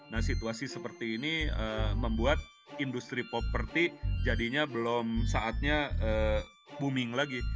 nah situasi seperti ini membuat industri properti jadinya belum saatnya booming lagi